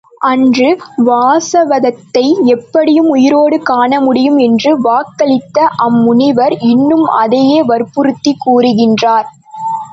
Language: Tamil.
அன்று வாசவதத்தையை எப்படியும் உயிரோடு காண முடியும் என்று வாக்களித்த அம் முனிவர் இன்றும் அதையே வற்புறுத்திக் கூறுகின்றார்.